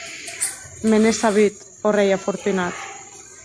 Me n’è sabut, ò rei afortunat!